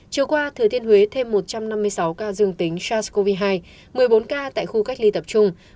chiều qua thừa thiên huế thêm một trăm năm mươi sáu ca dương tính sars cov hai một mươi bốn ca tại khu cách ly tập trung